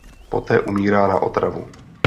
Poté umírá na otravu.